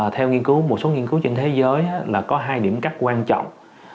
theo nghiên cứu một số nghiên cứu trên thế giới là có hai điểm cắt quan trọng